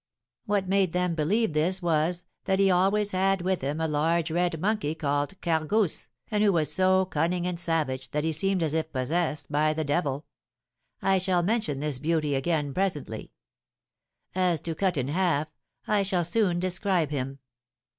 What made them believe this was, that he always had with him a large red monkey called Gargousse, and who was so cunning and savage that he seemed as if possessed by the devil. I shall mention this beauty again presently; as to Cut in Half, I shall soon describe him.